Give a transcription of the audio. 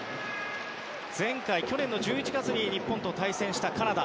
前回、去年１１月に日本と対戦したカナダ。